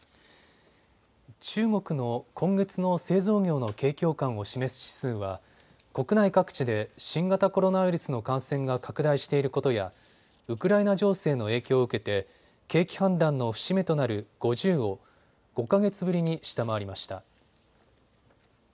中国の今月の製造業の景況感を示す指数は国内各地で新型コロナウイルスの感染が拡大していることやウクライナ情勢の影響を受けて景気判断の節目となる５０を５か月ぶりに下回りました。